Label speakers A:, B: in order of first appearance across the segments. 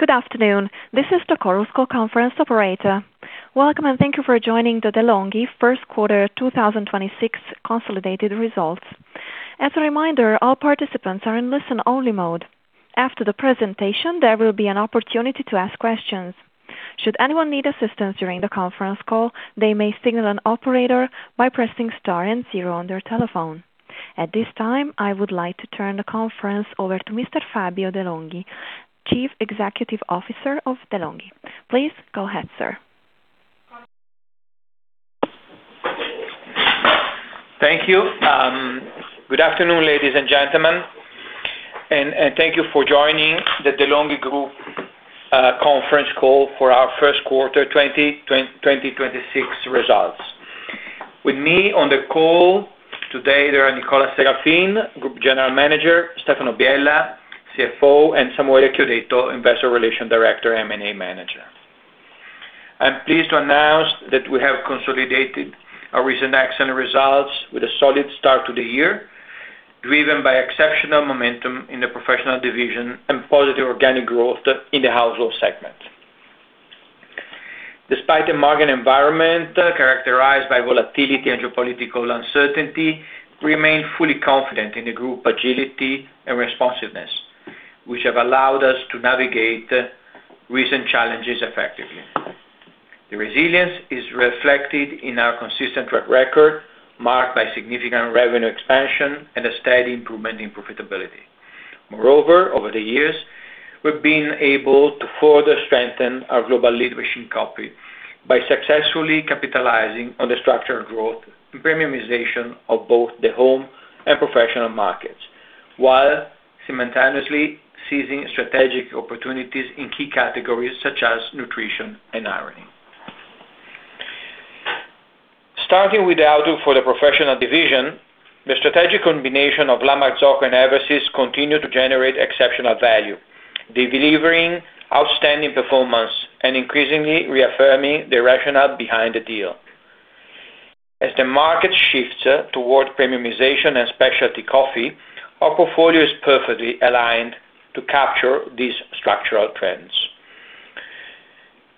A: Good afternoon. This is Chorus Call conference operator. Welcome and thank you for joining the De'Longhi first quarter 2026 consolidated results. As a reminder, all participants are in listen-only mode. After the presentation, there will be an opportunity to ask questions. Should anyone need assistance during the conference call, they may signal an operator by pressing star and 0 on their telephone. At this time, I would like to turn the conference over to Mr. Fabio de'Longhi, Chief Executive Officer of De'Longhi. Please go ahead, sir.
B: Thank you. Good afternoon, ladies and gentlemen, thank you for joining the De'Longhi Group conference call for our first quarter 2026 results. With me on the call today are Nicola Serafin, Group General Manager, Stefano Biella, CFO, and Samuele Chiodetto, Investor Relations Director, M&A Manager. I'm pleased to announce that we have consolidated our recent excellent results with a solid start to the year, driven by exceptional momentum in the professional division and positive organic growth in the household segment. Despite the market environment characterized by volatility and geopolitical uncertainty, we remain fully confident in the Group agility and responsiveness, which have allowed us to navigate recent challenges effectively. The resilience is reflected in our consistent track record, marked by significant revenue expansion and a steady improvement in profitability. Moreover, over the years, we've been able to further strengthen our global leadership in coffee by successfully capitalizing on the structural growth and premiumization of both the home and professional markets, while simultaneously seizing strategic opportunities in key categories such as nutrition and ironing. Starting with the outlook for the professional division, the strategic combination of La Marzocco and Eversys continue to generate exceptional value, delivering outstanding performance and increasingly reaffirming the rationale behind the deal. As the market shifts toward premiumization and specialty coffee, our portfolio is perfectly aligned to capture these structural trends.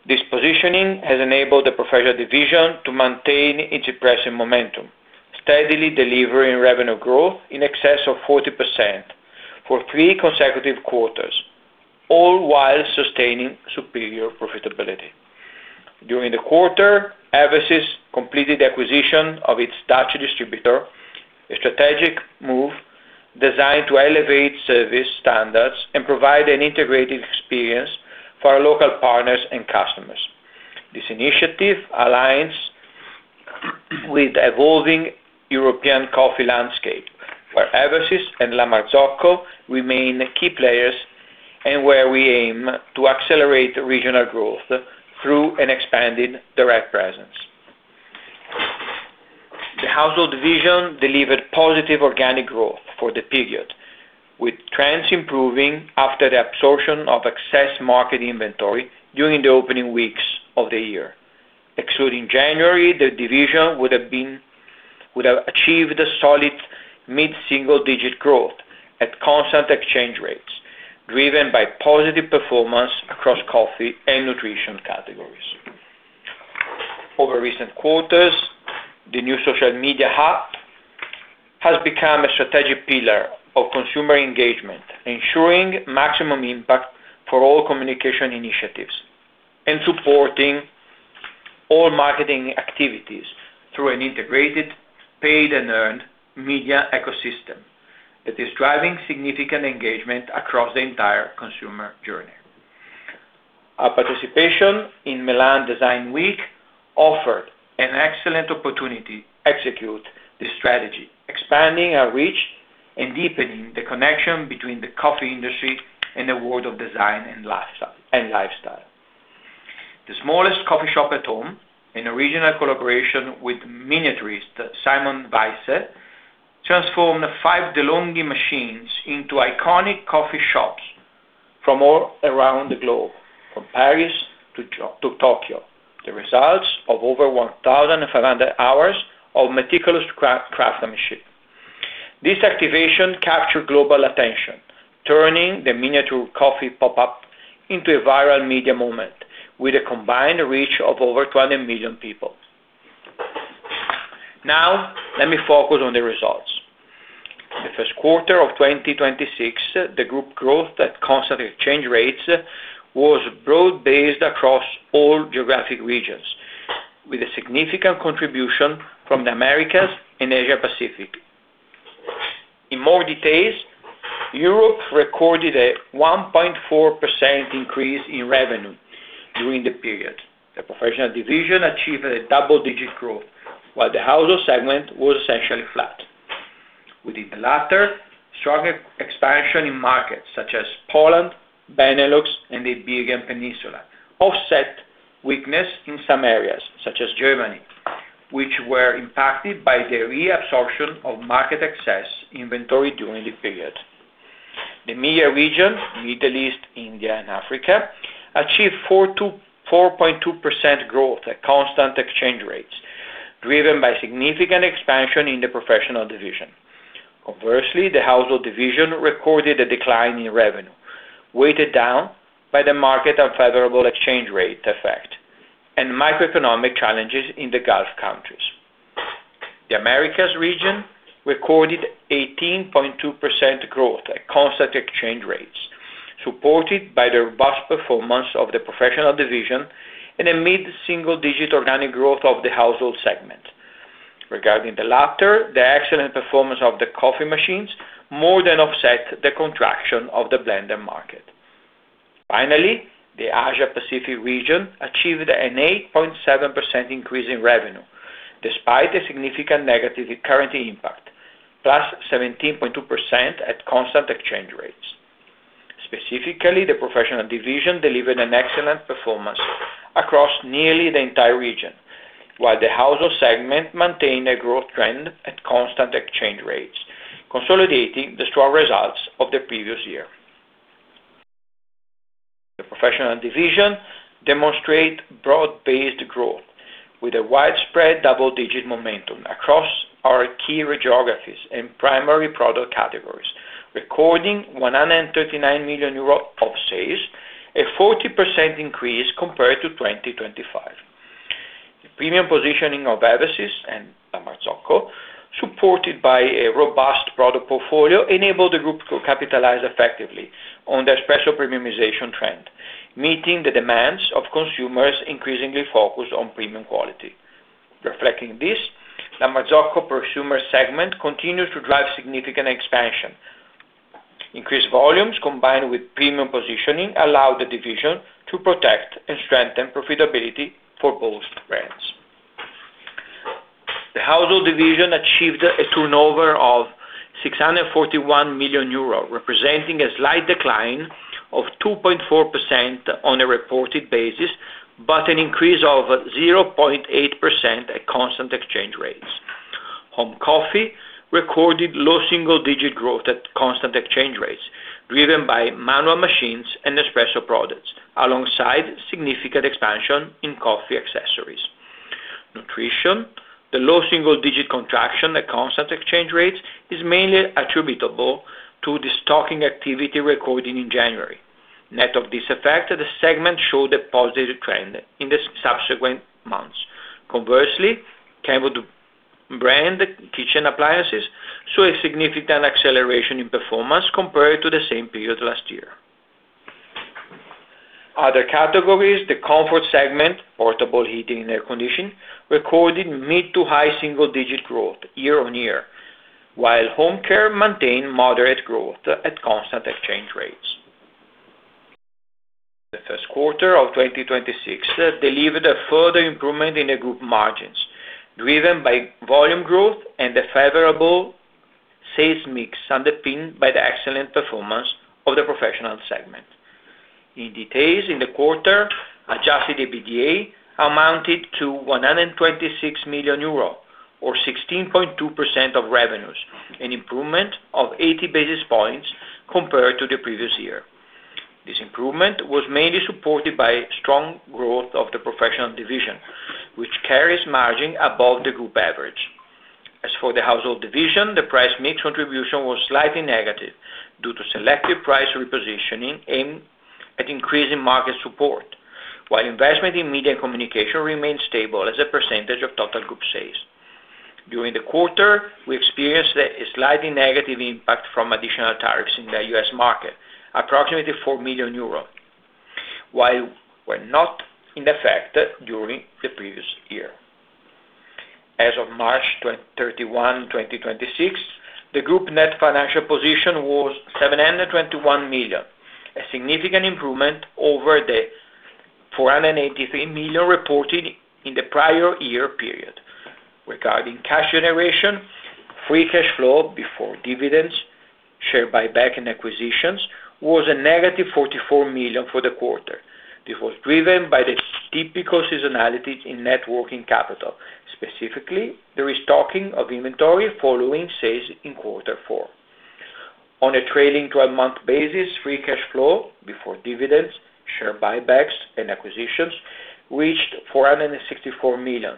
B: This positioning has enabled the professional division to maintain its impressive momentum, steadily delivering revenue growth in excess of 40% for three consecutive quarters, all while sustaining superior profitability. During the quarter, Eversys completed acquisition of its Dutch distributor, a strategic move designed to elevate service standards and provide an integrated experience for our local partners and customers. This initiative aligns with the evolving European coffee landscape, where Eversys and La Marzocco remain key players and where we aim to accelerate regional growth through an expanded direct presence. The household division delivered positive organic growth for the period, with trends improving after the absorption of excess market inventory during the opening weeks of the year. Excluding January, the division would have achieved a solid mid-single-digit growth at constant exchange rates, driven by positive performance across coffee and nutrition categories. Over recent quarters, the new social media hub has become a strategic pillar of consumer engagement, ensuring maximum impact for all communication initiatives, and supporting all marketing activities through an integrated, paid and earned media ecosystem that is driving significant engagement across the entire consumer journey. Our participation in Milan Design Week offered an excellent opportunity execute this strategy, expanding our reach and deepening the connection between the coffee industry and the world of design and lifestyle. The smallest coffee shop at home, an original collaboration with miniaturist Simon Weisse, transformed five De'Longhi machines into iconic coffee shops from all around the globe, from Paris to Tokyo. The results of over 1,500 hours of meticulous craftsmanship. This activation captured global attention, turning the miniature coffee pop-up into a viral media moment with a combined reach of over 20 million people. Let me focus on the results. The first quarter of 2026, the Group growth at constant exchange rates was broad-based across all geographic regions, with a significant contribution from the Americas and Asia Pacific. In more details, Europe recorded a 1.4% increase in revenue during the period. The professional division achieved a double-digit growth, while the household Segment was essentially flat. Within the latter, strong ex-expansion in markets such as Poland, Benelux, and the Iberian Peninsula offset weakness in some areas, such as Germany, which were impacted by the reabsorption of market excess inventory during the period. The MEA region, Middle East, India, and Africa, achieved 4% to 4.2% growth at constant exchange rates, driven by significant expansion in the professional division. Conversely, the household division recorded a decline in revenue, weighted down by the market unfavorable exchange rate effect and microeconomic challenges in the Gulf countries. The Americas region recorded 18.2% growth at constant exchange rates, supported by the robust performance of the professional division and a mid-single digit organic growth of the household segment. Regarding the latter, the excellent performance of the coffee machines more than offset the contraction of the blender market. Finally, the Asia Pacific region achieved an 8.7% increase in revenue, despite a significant negative currency impact, +17.2% at constant exchange rates. Specifically, the professional division delivered an excellent performance across nearly the entire region, while the household segment maintained a growth trend at constant exchange rates, consolidating the strong results of the previous year. The professional division demonstrate broad-based growth with a widespread double-digit momentum across our key geographies and primary product categories, recording 139 million euros of sales, a 40% increase compared to 2025. The premium positioning of Eversys and La Marzocco, supported by a robust product portfolio, enabled the group to capitalize effectively on the espresso premiumization trend, meeting the demands of consumers increasingly focused on premium quality. Reflecting this, La Marzocco prosumer segment continued to drive significant expansion. Increased volumes combined with premium positioning allowed the division to protect and strengthen profitability for both brands. The household division achieved a turnover of 641 million euro, representing a slight decline of 2.4% on a reported basis, an increase of 0.8% at constant exchange rates. Home coffee recorded low single-digit growth at constant exchange rates, driven by manual machines and espresso products, alongside significant expansion in coffee accessories. Nutrition, the low single-digit contraction at constant exchange rates, is mainly attributable to the stocking activity recorded in January. Net of this effect, the segment showed a positive trend in the subsequent months. Conversely Kenwood brand kitchen appliances saw a significant acceleration in performance compared to the same period last year. Other categories, the comfort segment, portable heating and air conditioning, recorded mid to high single-digit growth year-over-year, while home care maintained moderate growth at constant exchange rates. The first quarter of 2026 delivered a further improvement in the Group margins, driven by volume growth and the favorable sales mix underpinned by the excellent performance of the professional segment. In details in the quarter, adjusted EBITDA amounted to 126 million euro or 16.2% of revenues, an improvement of 80 basis points compared to the previous year. This improvement was mainly supported by strong growth of the professional division, which carries margin above the Group average. As for the household division, the price mix contribution was slightly negative due to selective price repositioning aimed at increasing market support, while investment in media communication remained stable as a percentage of total Group sales. During the quarter, we experienced a slightly negative impact from additional tariffs in the U.S. market, approximately 4 million euros, while were not in effect during the previous year. As of March 31, 2026, the group net financial position was 721 million, a significant improvement over the 483 million reported in the prior year period. Regarding cash generation, free cash flow before dividends, share buyback, and acquisitions was a negative 44 million for the quarter. This was driven by the typical seasonality in net working capital, specifically the restocking of inventory following sales in Q4. On a trailing 12-month basis, free cash flow before dividends, share buybacks, and acquisitions reached 464 million,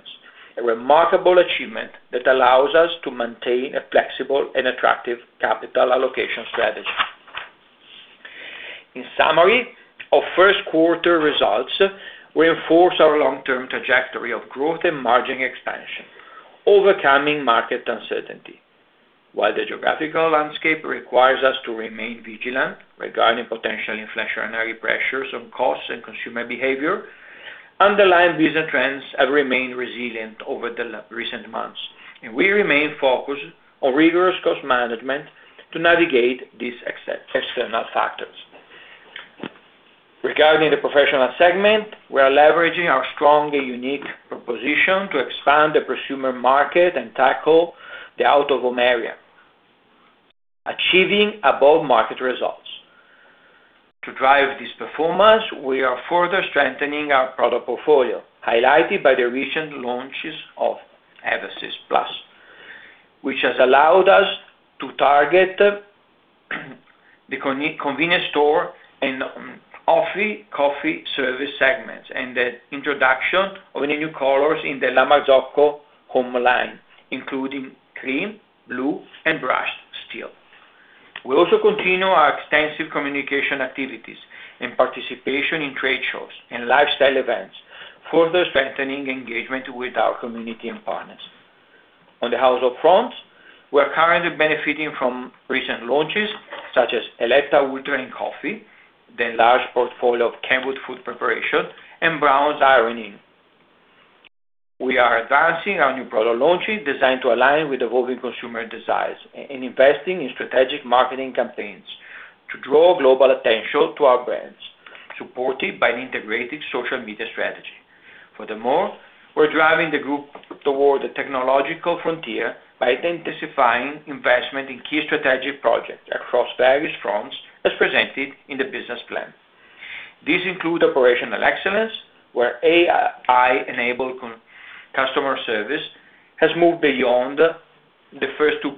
B: a remarkable achievement that allows us to maintain a flexible and attractive capital allocation strategy. In summary, our first quarter results reinforce our long-term trajectory of growth and margin expansion, overcoming market uncertainty. While the geographical landscape requires us to remain vigilant regarding potential inflationary pressures on costs and consumer behavior, underlying business trends have remained resilient over the recent months. We remain focused on rigorous cost management to navigate these external factors. Regarding the professional segment, we are leveraging our strong and unique proposition to expand the prosumer market and tackle the out-of-home area, achieving above-market results. To drive this performance, we are further strengthening our product portfolio, highlighted by the recent launches of Eversys Plus, which has allowed us to target the convenience store and coffee service segments. The introduction of the new colors in the La Marzocco home line, including cream, blue, and brushed steel. We also continue our extensive communication activities and participation in trade shows and lifestyle events, further strengthening engagement with our community and partners. On the household front, we are currently benefiting from recent launches such as Eletta Ultra Coffee, the large portfolio of Kenwood food preparation, and Braun ironing. We are advancing our new product launches designed to align with evolving consumer desires and investing in strategic marketing campaigns to draw global attention to our brands, supported by an integrated social media strategy. We're driving the group toward the technological frontier by intensifying investment in key strategic projects across various fronts, as presented in the business plan. These include operational excellence, where AI-enabled customer service has moved beyond the first two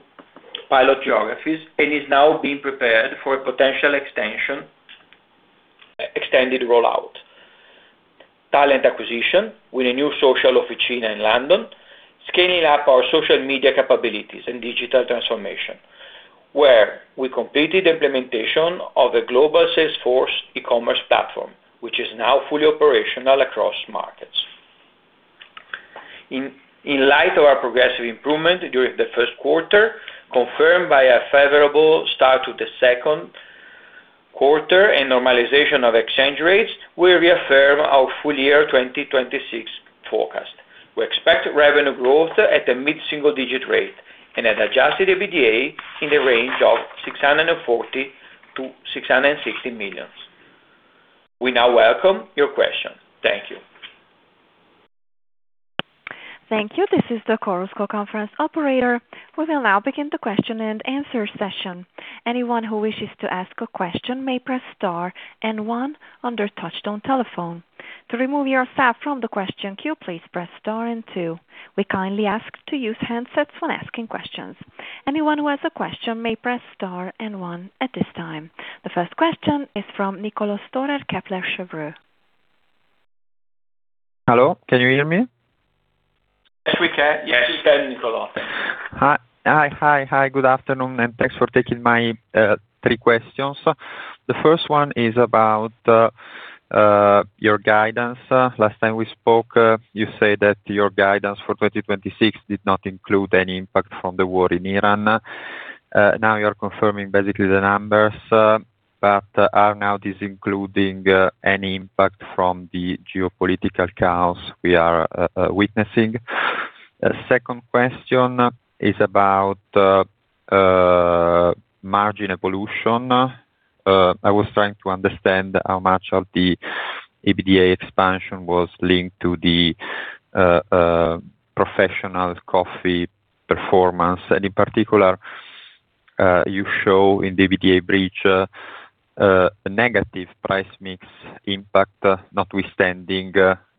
B: pilot geographies and is now being prepared for extended rollout. Talent acquisition with a new social officina in London, scaling up our social media capabilities and digital transformation, where we completed implementation of a global Salesforce e-commerce platform, which is now fully operational across markets. In light of our progressive improvement during the first quarter, confirmed by a favorable start to the second quarter and normalization of exchange rates, we reaffirm our full year 2026 forecast. We expect revenue growth at a mid-single-digit rate and an adjusted EBITDA in the range of 640 million-660 million. We now welcome your question. Thank you.
A: Thank you this is the Chorus Call conference operator. We will now begin the question-and-answer session. Anyone who wishes to ask a question may press star and one on their touchtone telephone. To remove yourself from the question queue, please press star and two. We kindly ask to use handsets when asking questions. Anyone who has a question may press star and one at this time. The first question is from Niccolò Storer, Kepler Cheuvreux.
C: Hello, can you hear me?
B: Yes, we can. Yes, we can, Niccolò.
C: Hi. Hi, hi. Good afternoon, thanks for taking my three questions. The first one is about your guidance. Last time we spoke, you said that your guidance for 2026 did not include any impact from the war in Iran. Now you're confirming basically the numbers, are now this including any impact from the geopolitical chaos we are witnessing? Second question is about margin evolution. I was trying to understand how much of the EBITDA expansion was linked to the professional coffee performance. In particular, you show in the EBITDA bridge a negative price mix impact, notwithstanding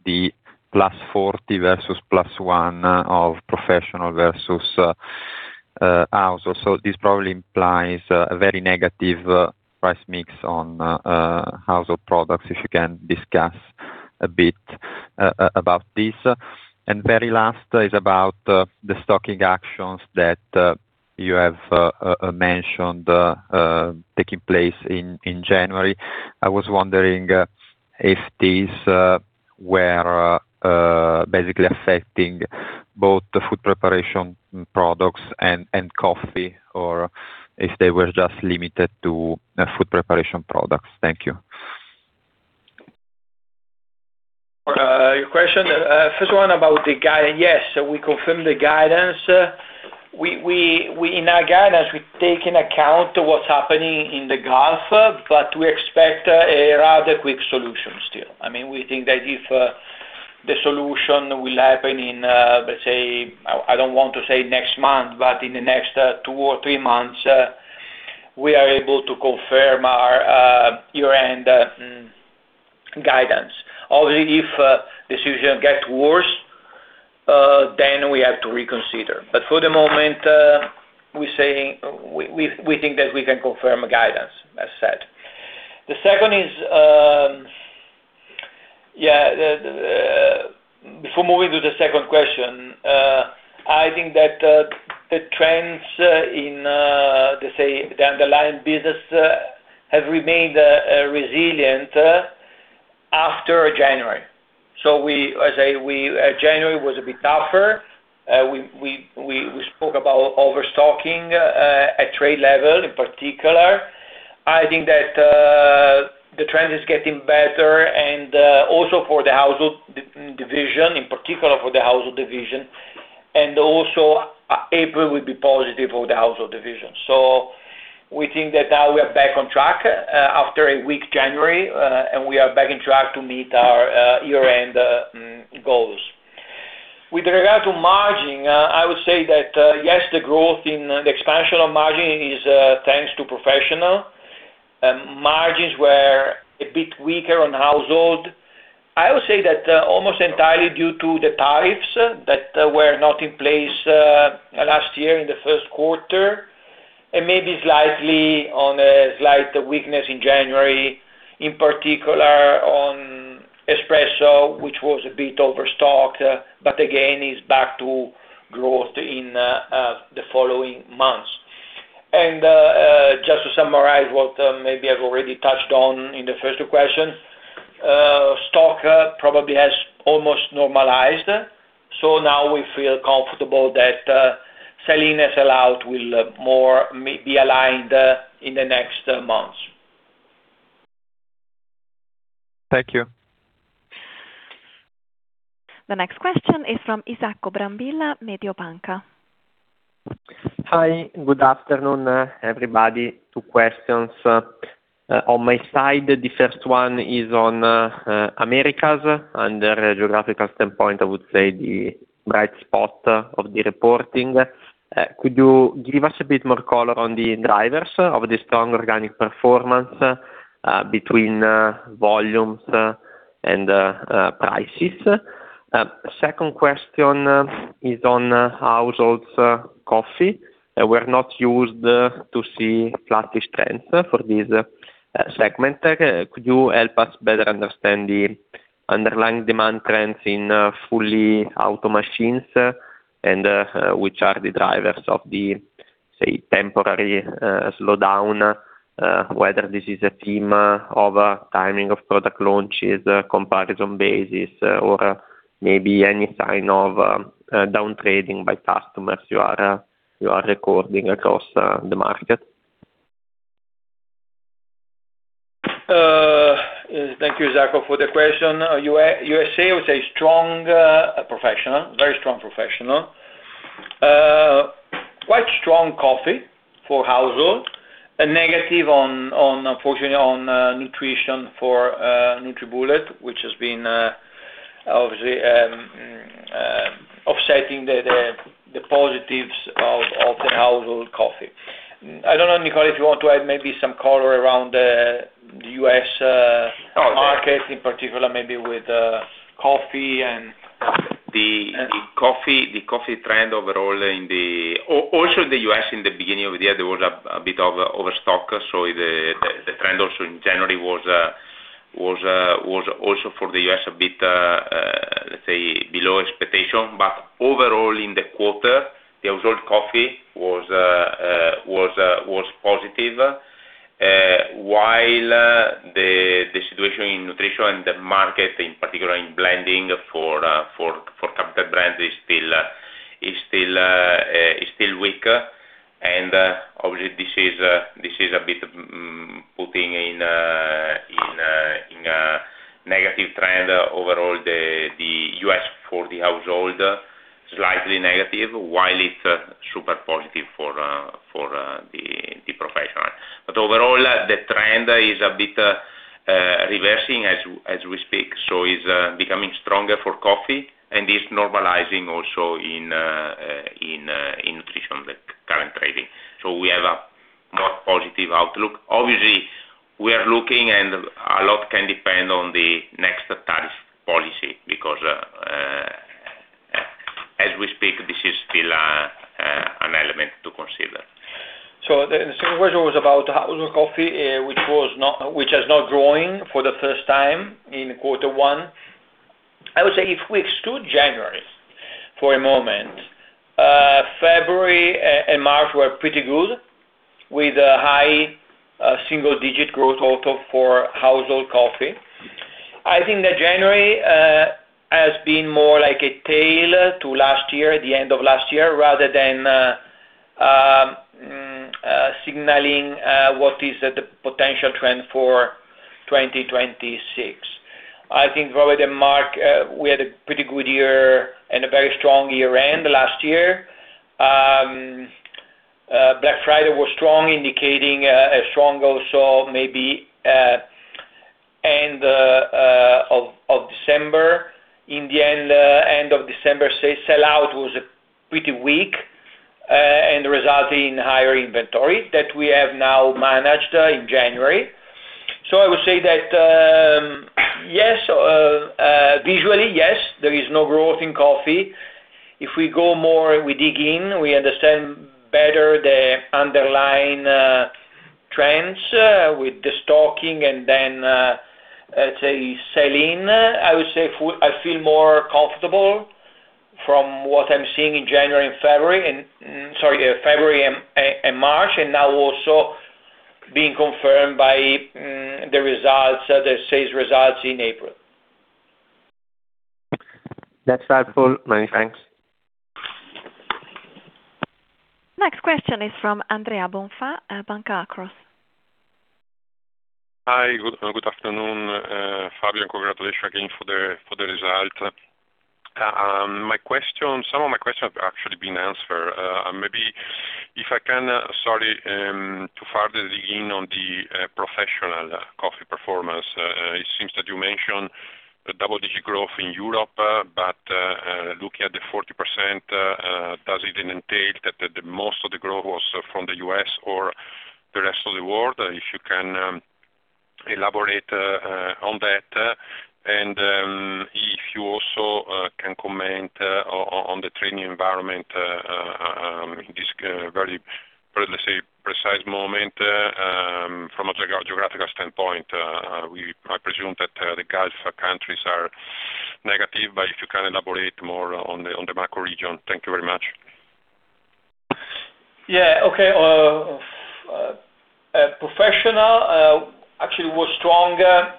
C: the +40 versus +1 of professional versus household. This probably implies a very negative price mix on household products, if you can discuss a bit about this. Very last is about the stocking actions that you have mentioned taking place in January. I was wondering if these were basically affecting both the food preparation products and coffee, or if they were just limited to food preparation products? Thank you.
B: Your question, first one about the guide. Yes, we confirm the guidance. In our guidance, we take in account what's happening in the Gulf, but we expect a rather quick solution still. I mean, we think that if the solution will happen in, let's say, I don't want to say next month, but in the next two or three months, we are able to confirm our year-end guidance. Obviously, if the situation gets worse, then we have to reconsider. For the moment, we're saying we think that we can confirm guidance, as said. The second is, Before moving to the second question, I think that the trends in, let's say, the underlying business, have remained resilient after January. I say we, January was a bit tougher. We spoke about overstocking at trade level in particular. I think that the trend is getting better and also for the household division, in particular for the household division, and also April will be positive for the household division. We think that now we are back on track after a weak January, and we are back on track to meet our year-end goals. With regard to margin, I would say that yes, the growth in the expansion of margin is thanks to professional. Margins were a bit weaker on household. I would say that almost entirely due to the tariffs that were not in place last year in the first quarter, and maybe slightly on a slight weakness in January, in particular on espresso, which was a bit overstocked, but again, is back to growth in the following months. Just to summarize what maybe I've already touched on in the first question, stock probably has almost normalized. Now we feel comfortable that sell-in and sell-out will more be aligned in the next months.
C: Thank you.
A: The next question is from Isacco Brambilla, Mediobanca.
D: Hi. Good afternoon, everybody. Two questions. On my side, the first one is on Americas. Under a geographical standpoint, I would say the bright spot of the reporting. Could you give us a bit more color on the drivers of the strong organic performance, between volumes, and prices? Second question is on households, coffee. We're not used to see flat trends for this segment. Could you help us better understand the underlying demand trends in fully automatics, and which are the drivers of the, say, temporary slowdown, whether this is a theme of timing of product launches, comparison basis, or maybe any sign of downtrading by customers you are recording across the market?
B: Thank you, Isacco, for the question. U.S.A. was a strong professional, very strong professional. Quite strong coffee for household. A negative on unfortunately on nutrition for NutriBullet, which has been obviously offsetting the positives of the household coffee. I don't know, Nicola, if you want to add maybe some color around the U.S. market, in particular, maybe with coffee.
E: The coffee trend overall also in the U.S., in the beginning of the year, there was a bit of overstock. The trend also in January was also for the U.S. a bit, let's say, below expectation. Overall, in the quarter, the household coffee was positive. While the situation in nutrition and the market, in particular in blending for certain brands, is still weak. Obviously, this is a bit putting in a negative trend overall the U.S. for the household, slightly negative, while it's super positive for the professional. Overall, the trend is a bit reversing as we speak, so it's becoming stronger for coffee and is normalizing also in nutrition, the current trading. We have a more positive outlook. Obviously, we are looking, and a lot can depend on the next tariff policy because as we speak, this is still an element to consider.
B: The second question was about household coffee, which has not grown for the first time in quarter one. I would say if we exclude January for a moment, February and March were pretty good with a high single-digit growth also for household coffee. I think that January has been more like a tail to last year, the end of last year, rather than signaling what is the potential trend for 2026. I think Robert and Mark, we had a pretty good year and a very strong year-end last year. Black Friday was strong, indicating a strong also maybe end of December. In the end of December, say, sell-out was pretty weak and resulting in higher inventory that we have now managed in January. I would say that, yes, visually, yes, there is no growth in coffee. If we go more, we dig in, we understand better the underlying trends, with the stocking and then, let's say sell-in. I would say I feel more comfortable from what I'm seeing in January and February, and sorry, February and March, and now also being confirmed by the results, the sales results in April.
D: That's helpful. Many thanks.
A: Next question is from Andrea Bonfà at Banca Akros.
F: Hi. Good afternoon, Fabio, and congratulations again for the result. Some of my questions have actually been answered. Maybe if I can, sorry, to further dig in on the professional coffee performance. It seems that you mentioned the double-digit growth in Europe, but looking at the 40%, does it entail that most of the growth was from the U.S.? The rest of the world, if you can elaborate on that, and if you also can comment on the training environment, this very, let's say, precise moment, from a geographical standpoint. I presume that the Gulf countries are negative, but if you can elaborate more on the macro region. Thank you very much.
B: Yeah. Okay. professional was stronger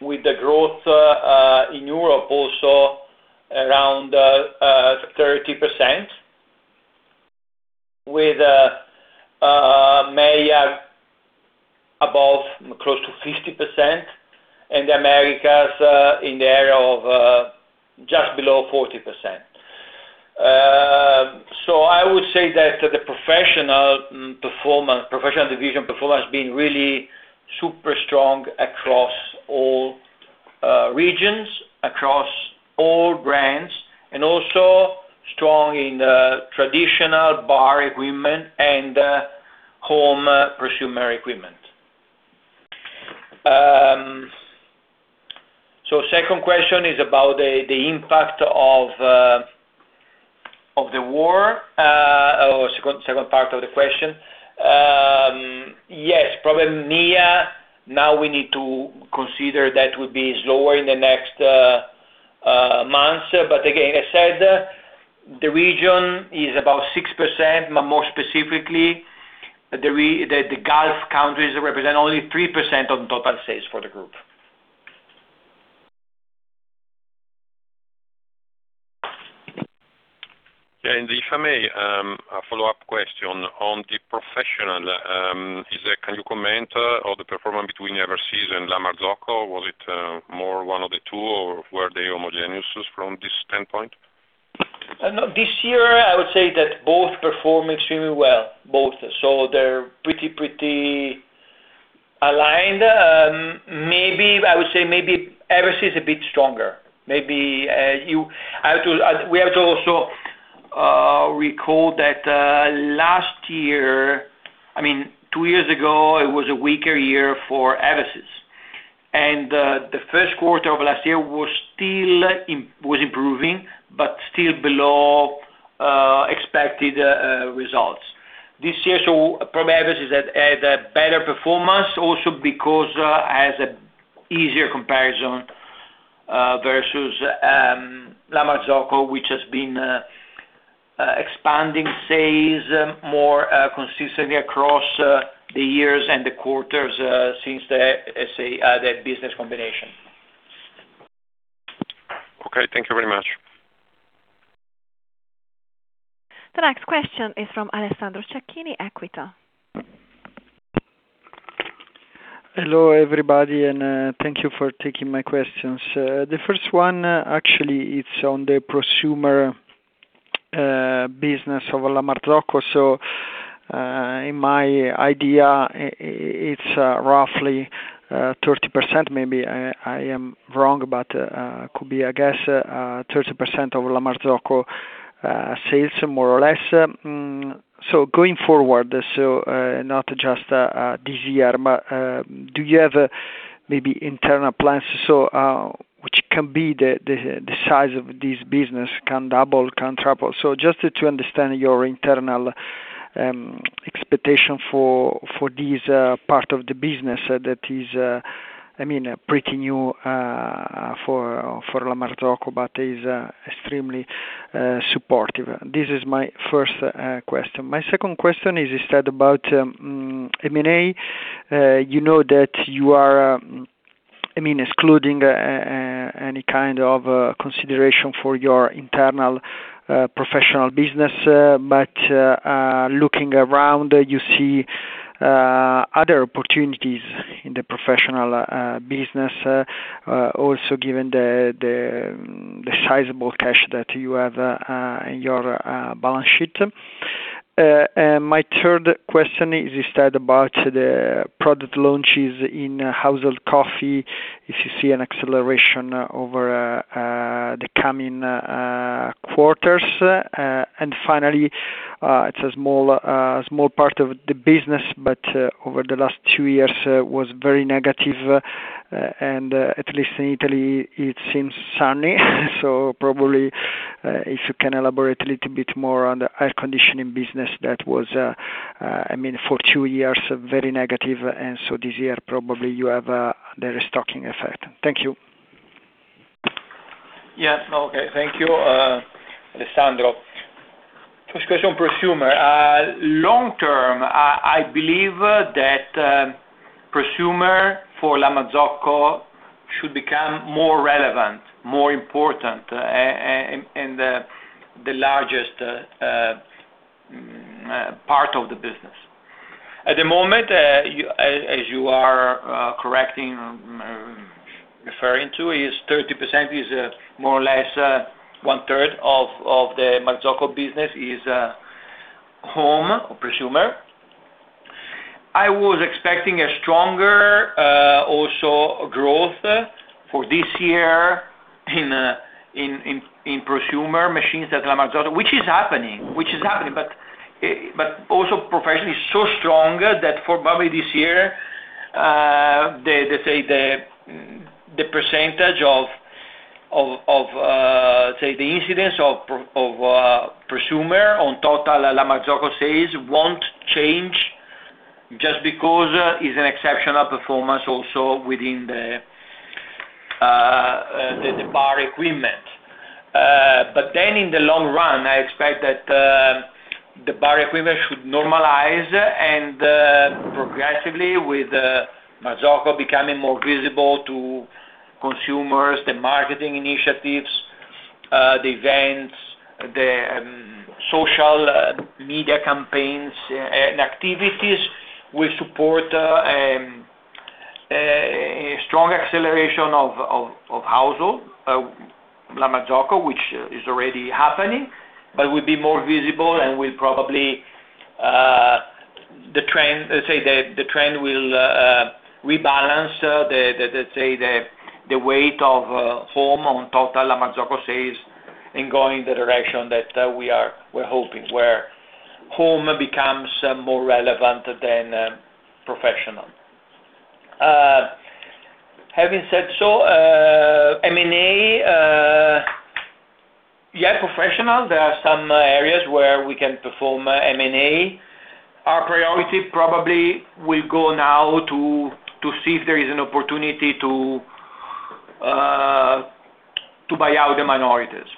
B: with the growth in Europe also around 30%, with above close to 50% in the Americas, in the area of just below 40%. I would say that the professional performance, professional division performance has been really super strong across all regions, across all brands, and also strong in the traditional bar equipment and home prosumer equipment. Second question is about the impact of the war or second part of the question. Yes, probably MEA. Now we need to consider that would be slower in the next months. Again, as said, the region is about 6%, more specifically, the Gulf countries represent only 3% of total sales for the group.
F: Yeah. If I may, a follow-up question on the professional. Can you comment on the performance between Eversys and La Marzocco? Was it more one of the two, or were they homogeneous from this standpoint?
B: No, this year, I would say that both perform extremely well. They're pretty aligned. Maybe, I would say maybe Eversys is a bit stronger. Maybe, I have to, we have to also recall that last year, I mean, two years ago, it was a weaker year for Eversys. The first quarter of last year was still improving, but still below expected results. This year, probably Eversys had a better performance also because it has an easier comparison versus La Marzocco, which has been expanding sales more consistently across the years and the quarters since the, let's say, the business combination.
F: Okay. Thank you very much.
A: The next question is from Alessandro Cecchini, Equita.
G: Hello, everybody, thank you for taking my questions. The first one, actually it's on the prosumer business of La Marzocco. In my idea, it's roughly 30%, maybe I am wrong, but could be, I guess, 30% of La Marzocco sales more or less. Going forward, not just this year, but do you have maybe internal plans to which can be the size of this business can double, can triple? Just to understand your internal expectation for this part of the business that is, I mean, pretty new for La Marzocco but is extremely supportive. This is my first question. My second question is instead about M&A. You know that you are, I mean, excluding any kind of consideration for your internal professional business, but looking around, you see other opportunities in the professional business, also given the sizable cash that you have in your balance sheet. My third question is instead about the product launches in household coffee. If you see an acceleration over the coming quarters? Finally, it's a small part of the business, but over the last two years was very negative, and at least in Italy, it seems sunny. Probably, if you can elaborate a little bit more on the air conditioning business that was, I mean, for two years, very negative, and so this year, probably you have the restocking effect. Thank you.
B: Yes. Okay. Thank you, Alessandro. First question, prosumer. Long term, I believe that prosumer for La Marzocco should become more relevant, more important, and the largest part of the business. At the moment, you as you are correcting, referring to, is 30% is more or less 1/3 of the La Marzocco business is home prosumer. I was expecting a stronger also growth for this year in prosumer machines that La Marzocco, which is happening. Also professionally so strong that for probably this year, the percentage of the incidence of prosumer on total La Marzocco sales won't change just because it's an exceptional performance also within the bar equipment. In the long run, I expect that the bar equipment should normalize and progressively with La Marzocco becoming more visible to consumers, the marketing initiatives, the events, the social media campaigns and activities will support a strong acceleration of household La Marzocco, which is already happening, but will be more visible and will probably the trend, let's say, the trend will rebalance the, let's say, the weight of home on total La Marzocco sales in going the direction that we are we're hoping, where home becomes more relevant than professional. having said so, M&A, yeah, professional, there are some areas where we can perform M&A. Our priority probably will go now to see if there is an opportunity to buy out the minorities.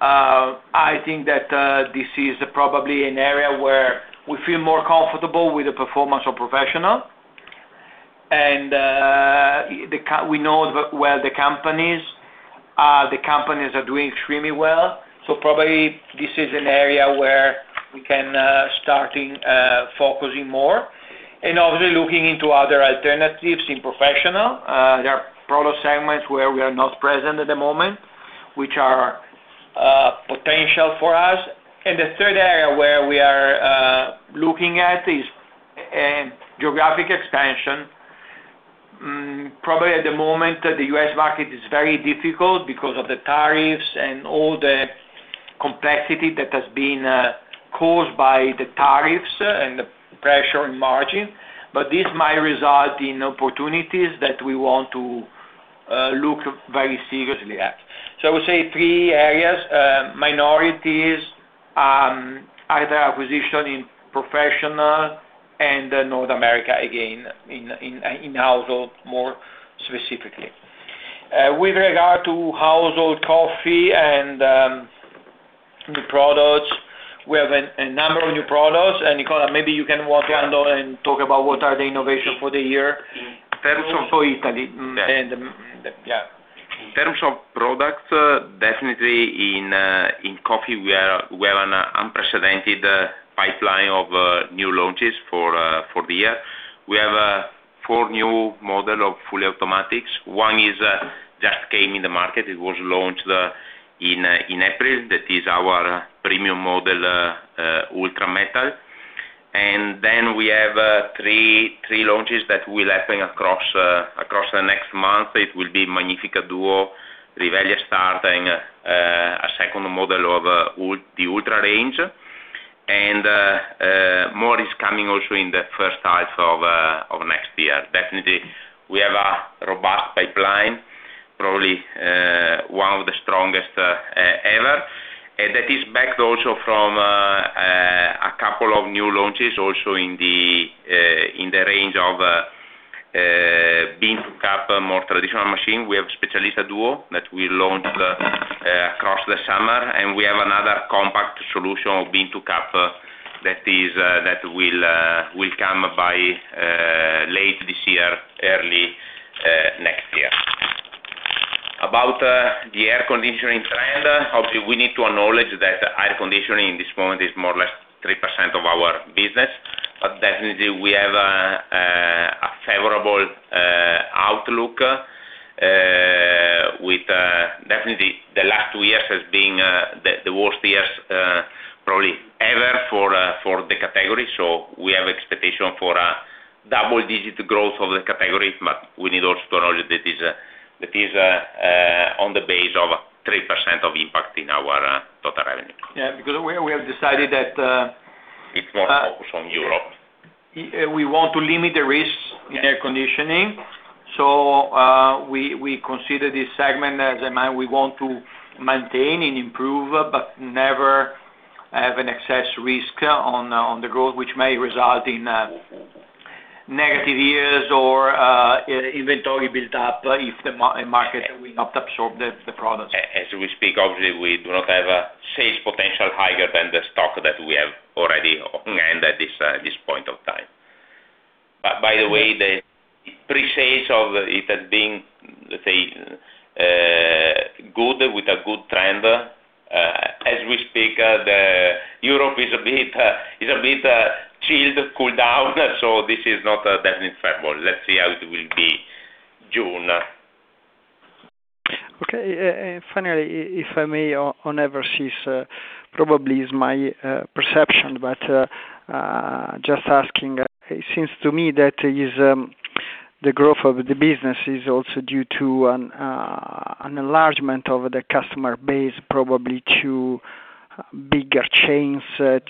B: I think that this is probably an area where we feel more comfortable with the performance of professional. We know well the companies. The companies are doing extremely well. Probably this is an area where we can starting focusing more and obviously looking into other alternatives in professional. There are product segments where we are not present at the moment, which are potential for us. The third area where we are looking at is geographic expansion. Probably at the moment, the U.S. market is very difficult because of the tariffs and all the complexity that has been caused by the tariffs and the pressure on margin. This might result in opportunities that we want to look very seriously at. I would say three areas, minorities, either acquisition in professional and North America, again, in, in household more specifically. With regard to household coffee and new products, we have a number of new products. Nicola, maybe you can walk around and talk about what are the innovation for the year.
E: In terms of-
B: Also Italy.
E: Yeah.
B: Yeah.
E: In terms of products, definitely in coffee, we have an unprecedented pipeline of new launches for the year. We have four new model of fully automatics. One is just came in the market. It was launched in April. That is our premium model, Ultra Metal. Then we have three launches that will happen across the next month. It will be Magnifica Duo, Rivelia starting a second model of the Ultra range. More is coming also in the first half of next year. Definitely, we have a robust pipeline, probably one of the strongest ever. That is backed also from a couple of new launches also in the range of bean-to-cup, more traditional machine. We have Dedica Duo that we launched across the summer, and we have another compact solution of bean-to-cup that will come by late this year, early next year. About the air conditioning trend, obviously, we need to acknowledge that air conditioning in this moment is more or less 3% of our business. Definitely, we have a favorable outlook with definitely the last two years has been the worst years probably ever for the category. We have expectation for a double-digit growth of the category, but we need also to acknowledge that is on the base of 3% of impact in our total revenue.
B: Yeah, because we have decided that.
E: It's more focused on Europe.
B: We want to limit the risks in air conditioning. We consider this segment, as I mentioned, we want to maintain and improve, but never have an excess risk on the growth, which may result in negative years or inventory built up if the market will not absorb the products.
E: As we speak, obviously, we do not have a sales potential higher than the stock that we have already on hand at this point of time. By the way, the pre-sales of it had been, let's say, good with a good trend. As we speak, Europe is a bit, is a bit, chilled, cooled down. This is not definitely favorable. Let's see how it will be June.
G: Okay. finally, if I may on Eversys, probably is my perception, but, just asking, it seems to me that is. The growth of the business is also due to an enlargement of the customer base, probably to bigger chains,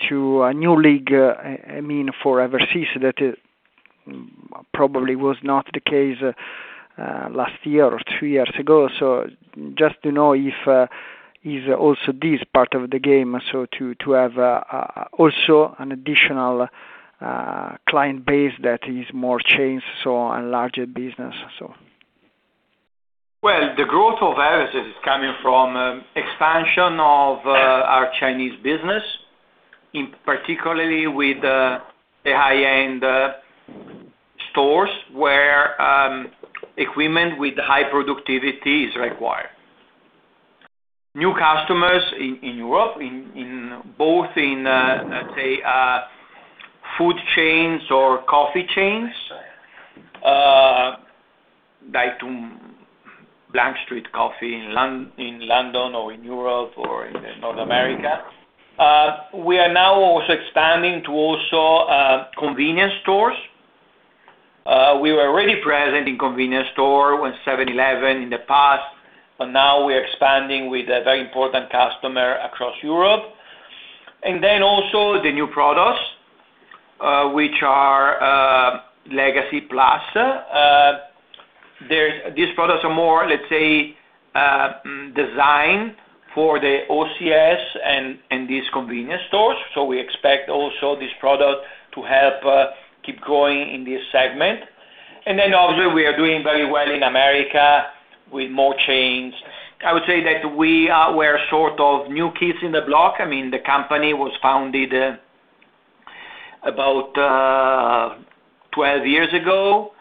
G: to a new league, I mean, for Eversys that probably was not the case last year or two years ago. Just to know if is also this part of the game, to have also an additional client base that is more chains and larger business?
B: Well, the growth of Eversys is coming from expansion of our chain business, in particularly with the high-end stores where equipment with high productivity is required. New customers in Europe, in both in, let's say, food chains or coffee chains, like to Blank Street Coffee in London or in Europe or in North America. We are now also expanding to also convenience stores. We were already present in convenience store with 7-Eleven in the past, now we're expanding with a very important customer across Europe. Also the new products, which are Legacy Plus. These products are more, let's say, designed for the OCS and these convenience stores. We expect also this product to help keep growing in this segment. Obviously, we are doing very well in America with more chains. I would say that we're sort of new kids in the block. I mean, the company was founded about 12 years ago.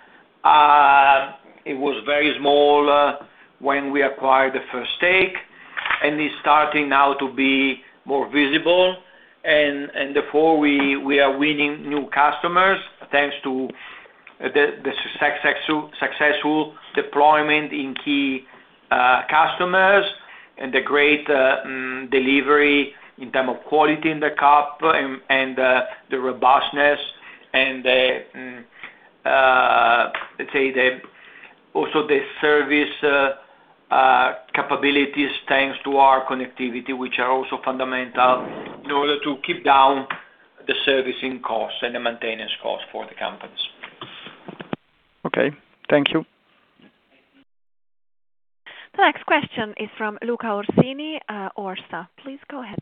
B: It was very small when we acquired the first stake, and it's starting now to be more visible. Therefore, we are winning new customers, thanks to the successful deployment in key customers and the great delivery in term of quality in the cup and the robustness and the, let's say, the also the service capabilities, thanks to our connectivity, which are also fundamental in order to keep down the servicing costs and the maintenance costs for the companies.
G: Okay. Thank you.
A: The next question is from [Luca Orsini] Orsa. Please go ahead.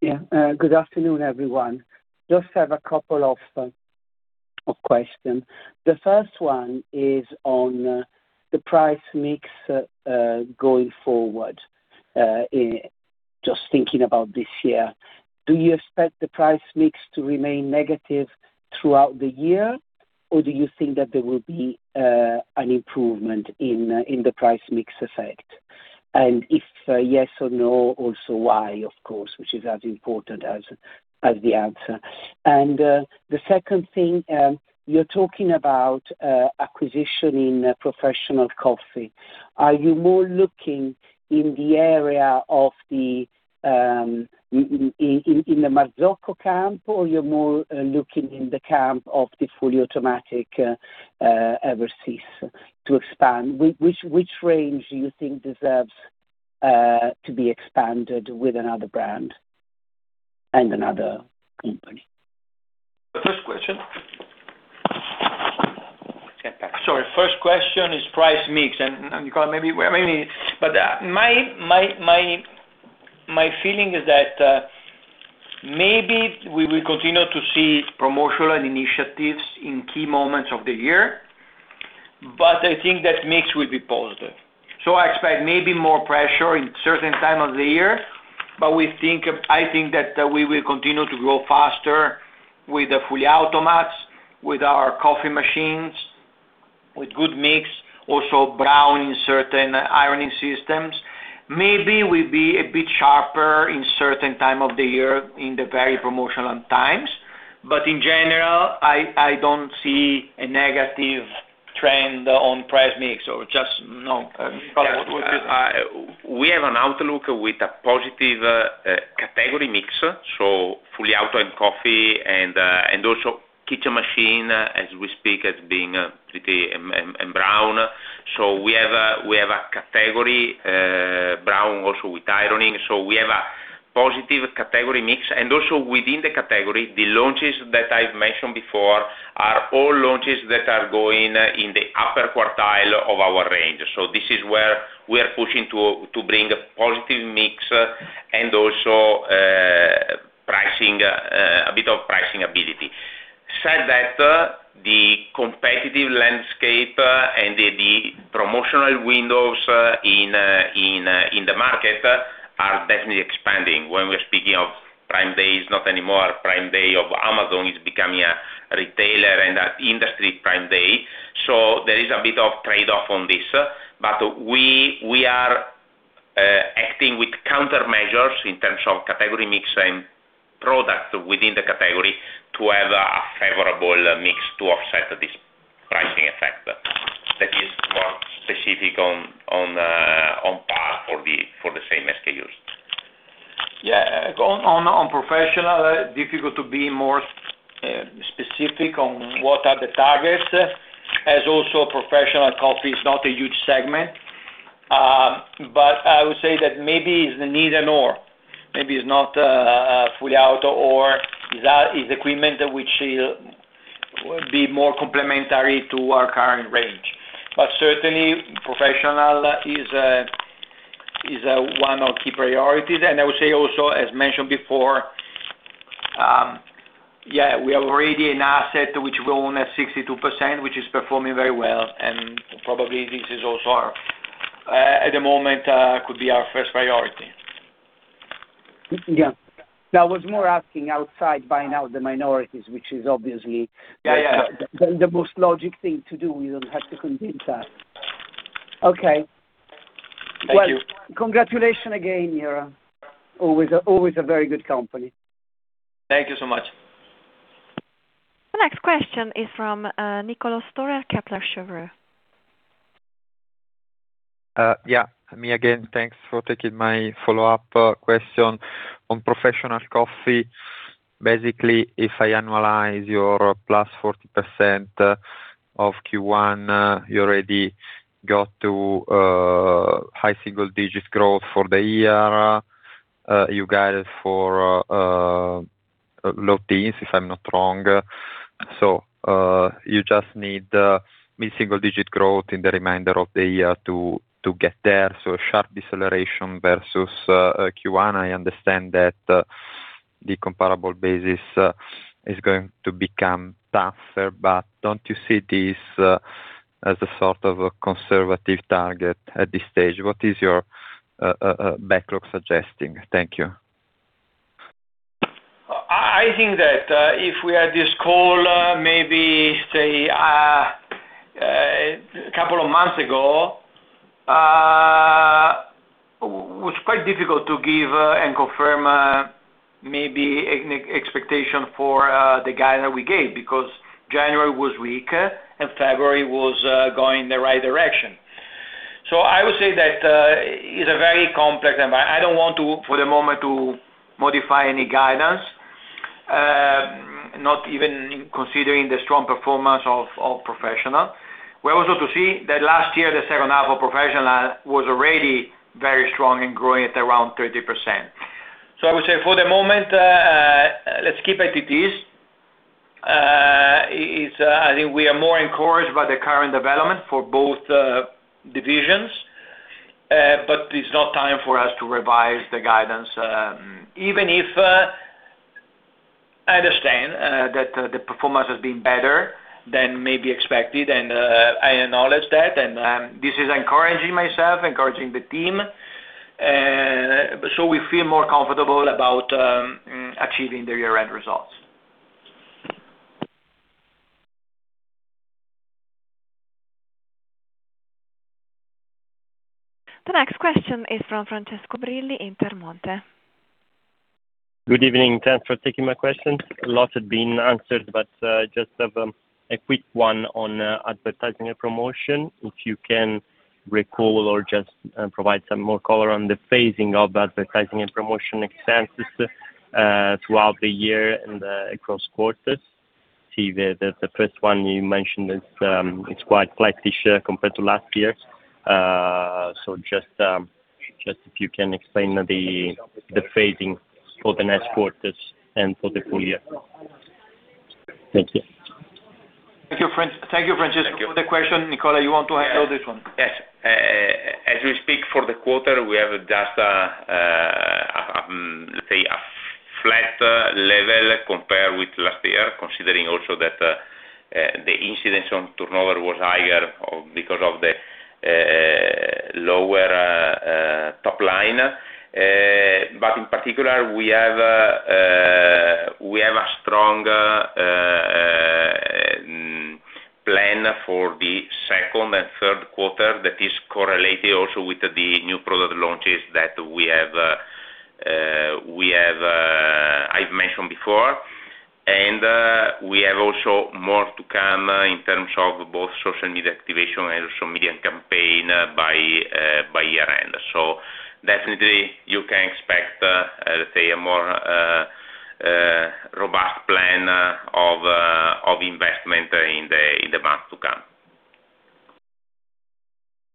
H: Yeah. Good afternoon, everyone. Just have a couple of questions. The first one is on the price mix going forward, just thinking about this year. Do you expect the price mix to remain negative throughout the year, or do you think that there will be an improvement in the price mix effect? If yes or no, also why, of course, which is as important as the answer. The second thing, you're talking about acquisition in professional coffee. Are you more looking in the area of the La Marzocco camp, or you're more looking in the camp of the fully automatic Eversys to expand? Which range do you think deserves to be expanded with another brand and another company?
B: The first question. Sorry. First question is price mix. [Luca] maybe my feeling is that maybe we will continue to see promotional initiatives in key moments of the year, but I think that mix will be positive. I expect maybe more pressure in certain time of the year, but I think that we will continue to grow faster with the fully automatics, with our coffee machines, with good mix, also Braun in certain ironing systems. Maybe we'll be a bit sharper in certain time of the year in the very promotional times. In general, I don't see a negative trend on price mix.
E: We have an outlook with a positive category mix, so fully auto and coffee and also kitchen machine, as we speak, as being pretty and Braun. We have a category Braun also with ironing. We have a positive category mix. Also within the category, the launches that I've mentioned before are all launches that are going in the upper quartile of our range. This is where we are pushing to bring a positive mix and also pricing a bit of pricing ability. Said that, the competitive landscape and the promotional windows in the market are definitely expanding. When we're speaking of Prime Day, it's not anymore Prime Day of Amazon. It's becoming a retailer and an industry Prime Day. There is a bit of trade-off on this.
B: We are acting with countermeasures in terms of category mix and product within the category to have a favorable mix to offset this pricing effect. Specific on par for the same SKUs. Yeah. On professional, difficult to be more specific on what are the targets, as also professional coffee is not a huge segment. I would say that maybe it's neither nor. Maybe it's not fully auto or is equipment which will be more complementary to our current range. Certainly professional is one of key priorities. I would say also, as mentioned before, yeah, we have already an asset which we own at 62%, which is performing very well. Probably this is also our at the moment could be our first priority.
H: Yeah. I was more asking outside buying out the minorities, which is obviously.
B: Yeah, yeah.
H: The most logic thing to do. You don't have to convince us. Okay.
B: Thank you.
H: Well, congratulations again, Fabio. Always a very good company.
B: Thank you so much.
A: The next question is from Niccolò Storer, Kepler Cheuvreux.
C: Yeah, me again. Thanks for taking my follow-up question. On professional coffee, basically, if I annualize your +40% of Q1, you already got to high single-digit growth for the year. You guided for low teens, if I'm not wrong. You just need mid-single-digit growth in the remainder of the year to get there. Sharp deceleration versus Q1. I understand that the comparable basis is going to become tougher, but don't you see this as a sort of a conservative target at this stage? What is your backlog suggesting? Thank you.
B: I think that if we had this call, maybe say a couple of months ago, was quite difficult to give and confirm maybe an expectation for the guidance we gave because January was weak and February was going in the right direction. I would say that it's a very complex environment. I don't want to, for the moment to modify any guidance, not even considering the strong performance of professional. We also to see that last year, the second half of professional was already very strong and growing at around 30%. I would say for the moment, let's keep it is. I think we are more encouraged by the current development for both divisions. It's not time for us to revise the guidance. Even if I understand that the performance has been better than maybe expected, and I acknowledge that, and this is encouraging myself, encouraging the team. We feel more comfortable about achieving the year-end results.
A: The next question is from Francesco Brilli, Intermonte.
I: Good evening. Thanks for taking my question. A lot had been answered, just have a quick one on advertising and promotion. If you can recall or just provide some more color on the phasing of advertising and promotion expenses throughout the year and across quarters. See the first one you mentioned is quite flattish compared to last year. Just if you can explain the phasing for the next quarters and for the full year. Thank you.
B: Thank you.
I: Thank you.
B: Thank you, Francesco, for the question. Nicola, you want to handle this one?
E: Yes. As we speak for the quarter, we have just, let's say a flat level compared with last year, considering also that the incidence on turnover was higher because of the lower top line. In particular, we have a strong plan for the second and third quarter that is correlated also with the new product launches that we have mentioned before. We have also more to come in terms of both social media activation and also media campaign by year-end. Definitely you can expect, let's say, a more robust plan of investment in the months to come.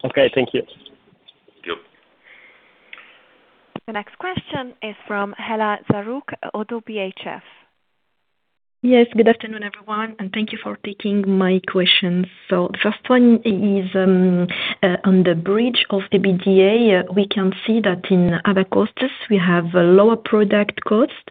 I: Okay. Thank you.
E: Thank you.
A: The next question is from Hela Zarrouk, ODDO BHF.
J: Yes, good afternoon, everyone, and thank you for taking my questions. The first one is on the bridge of the EBITDA. We can see that in other costs, we have a lower product cost.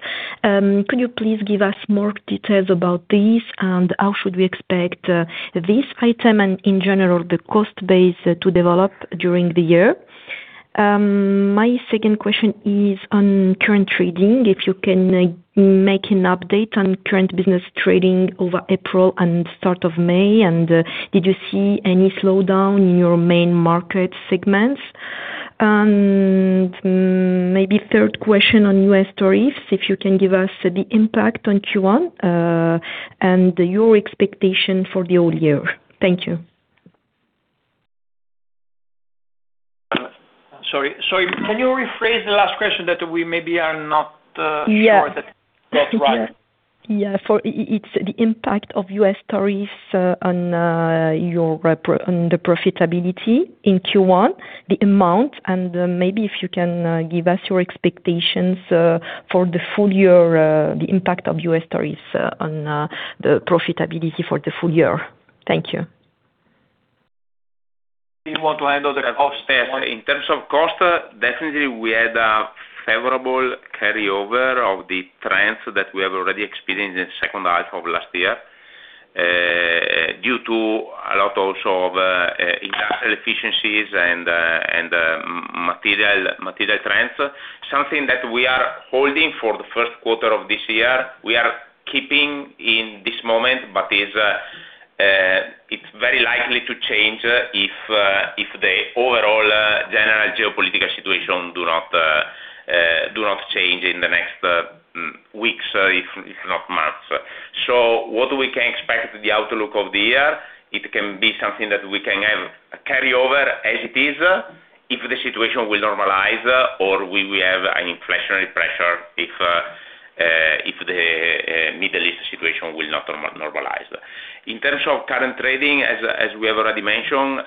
J: Could you please give us more details about this? How should we expect this item and in general, the cost base to develop during the year? My second question is on current trading, if you can make an update on current business trading over April and start of May. Did you see any slowdown in your main market segments? Maybe third question on U.S. tariffs, if you can give us the impact on Q1 and your expectation for the whole year. Thank you.
B: Sorry. Can you rephrase the last question that we maybe are not?
J: Yeah.
B: Sure that got right?
J: For it's the impact of U.S. tariffs on the profitability in Q1, the amount, and maybe if you can give us your expectations for the full year, the impact of U.S. tariffs on the profitability for the full year. Thank you.
B: You want to handle the cost one?
E: Yes. In terms of cost, definitely we had a favorable carryover of the trends that we have already experienced in the second half of last year. due to a lot also of industrial efficiencies and material trends. Something that we are holding for the first quarter of this year. We are keeping in this moment, but it's very likely to change if the overall general geopolitical situation do not change in the next weeks, if not months. What we can expect the outlook of the year, it can be something that we can have carry over as it is, if the situation will normalize or we will have an inflationary pressure if the Middle East situation will not normalize. In terms of current trading, as we have already mentioned,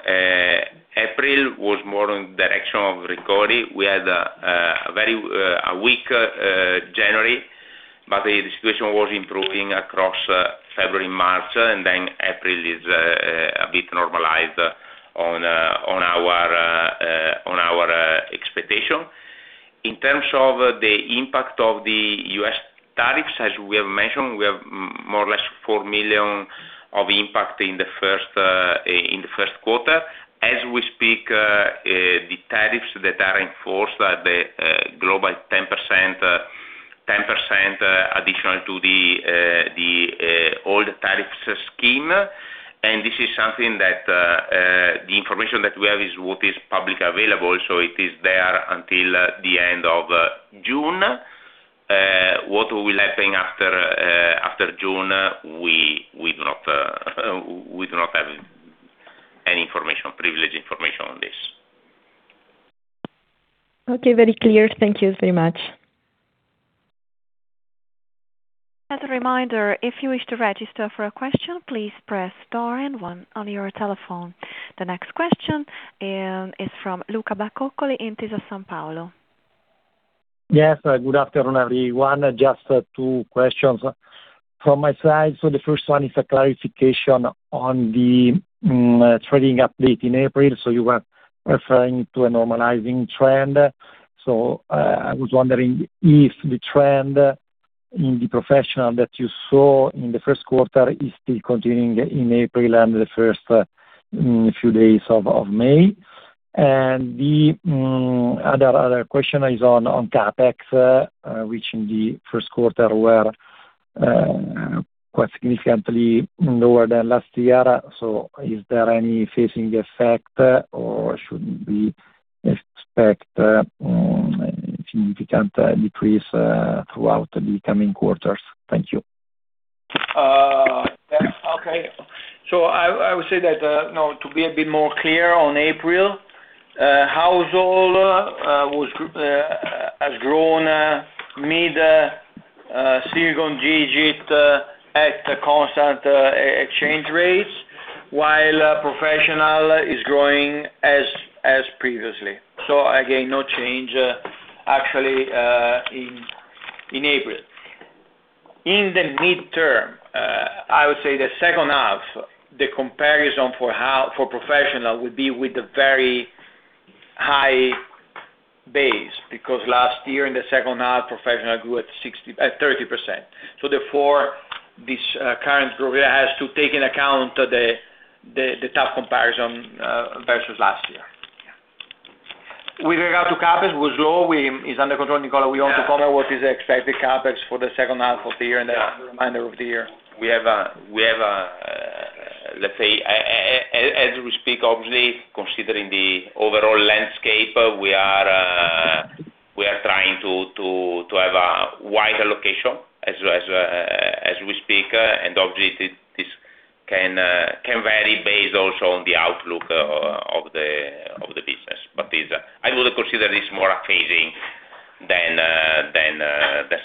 E: April was more in direction of recovery. We had a very weak January, the situation was improving across February, March, April is a bit normalized on our expectation. In terms of the impact of the U.S. tariffs, as we have mentioned, we have more or less 4 million of impact in the first quarter. As we speak, the tariffs that are enforced are the global 10% additional to the old tariffs scheme. This is something that the information that we have is what is publicly available, it is there until the end of June. What will happen after June, we do not have any information, privileged information on this.
J: Okay. Very clear. Thank you very much.
A: As a reminder, if you wish to register for a question, please press star and 1 on your telephone. The next question is from Luca Bacoccoli, Intesa Sanpaolo.
K: Yes. Good afternoon, everyone. Just two questions from my side. The first one is a clarification on the trading update in April. You were referring to a normalizing trend. I was wondering if the trend in the professional that you saw in the first quarter is still continuing in April and the first few days of May. The other question is on CapEx, which in the first quarter were quite significantly lower than last year. Is there any phasing effect, or should we expect significant decrease throughout the coming quarters? Thank you.
B: Yeah. Okay. I would say that, no, to be a bit more clear on April, household has grown mid-single digit at a constant exchange rates, while professional is growing as previously. Again, no change actually in April. In the midterm, I would say the second half, the comparison for professional would be with a very high base, because last year in the second half, professional grew at 30%. Therefore, this current growth rate has to take into account the top comparison versus last year. With regard to CapEx was low. It's under control. Nicola, we want to cover what is expected CapEx for the second half of the year and the remainder of the year.
E: We have a, let's say, as we speak, obviously, considering the overall landscape, we are trying to have a wider location as we speak. Obviously, this can vary based also on the outlook of the business. This I would consider this more a phasing than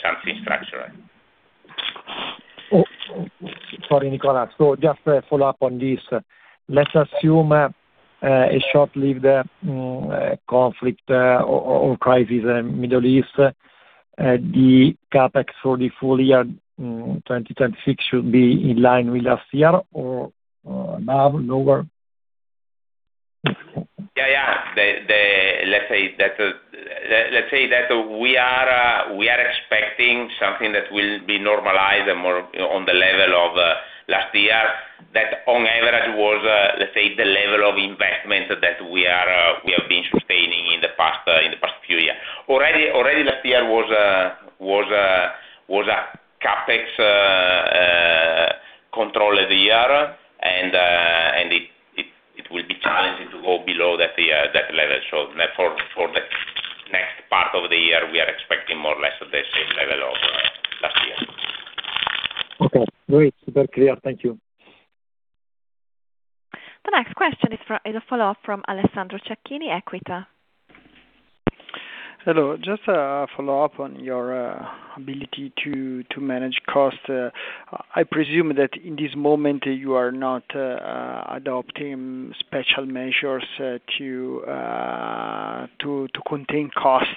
E: something structural.
K: Sorry, Nicola. Just a follow-up on this. Let's assume a short-lived conflict or crisis in Middle East. The CapEx for the full year 2026 should be in line with last year or above, lower?
E: Yeah, yeah. The, let's say that we are expecting something that will be normalized more on the level of last year. That on average was, let's say, the level of investment that we are sustaining in the past few years. Already last year was a CapEx. It will be challenging to go below that level. Therefore, for the next part of the year, we are expecting more or less the same level of last year.
K: Okay. Great. Super clear. Thank you.
A: The next question is a follow-up from Alessandro Cecchini, Equita.
G: Hello. Just a follow-up on your ability to manage costs. I presume that in this moment you are not adopting special measures to contain costs.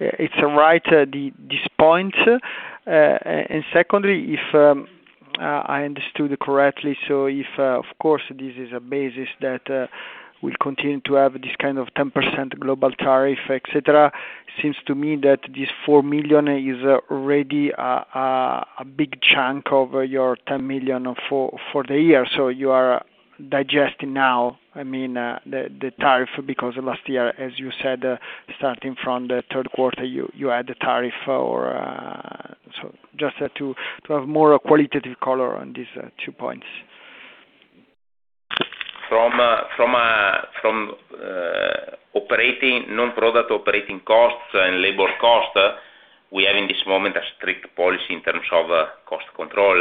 G: It's right, at this point. Secondly, if I understood correctly, if, of course, this is a basis that will continue to have this kind of 10% global tariff, et cetera, seems to me that this 4 million is already a big chunk of your 10 million for the year. You are digesting now, I mean, the tariff because last year, as you said, starting from the third quarter, you had a tariff for. Just to have more qualitative color on these two points.
E: From non-product operating costs and labor cost, we have in this moment a strict policy in terms of cost control.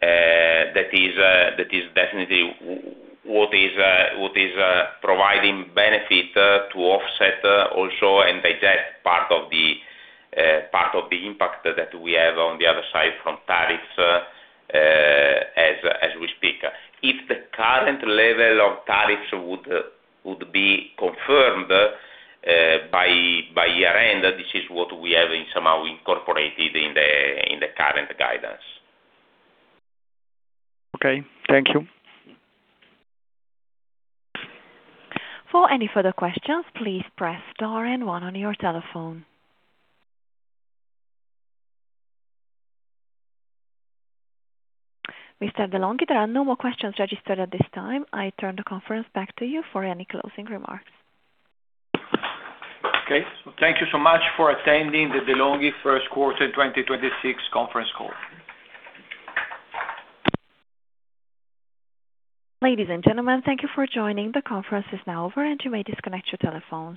E: That is definitely what is providing benefit to offset also and digest part of the part of the impact that we have on the other side from tariffs as we speak. If the current level of tariffs would be confirmed by year-end, this is what we have in somehow incorporated in the current guidance.
G: Okay. Thank you.
A: For any further questions, please press star and one on your telephone. Mr. de'Longhi, there are no more questions registered at this time. I turn the conference back to you for any closing remarks.
B: Okay. Thank you so much for attending the De'Longhi first quarter 2026 conference call.
A: Ladies and gentlemen, thank you for joining. The conference is now over, and you may disconnect your telephones.